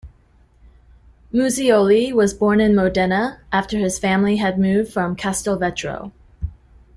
Muzzioli was born in Modena, after his family had moved from Castelvetro.